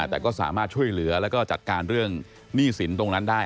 แต่ก็สามารถช่วยเหลือแล้วก็จัดการเรื่องหนี้สินตรงนั้นได้